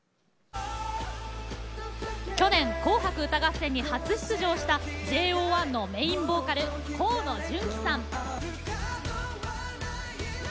去年「紅白歌合戦」に初出場したＪＯ１のメインボーカル、河野純喜さん。